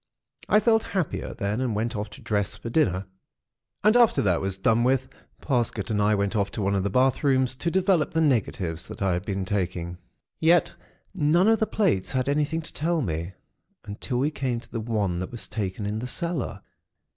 I felt happier then, and went off to dress for dinner; and after that was done with, Parsket and I went off to one of the bath rooms to develop the negatives that I had been taking. Yet none of the plates had anything to tell me, until we came to the one that was taken in the cellar.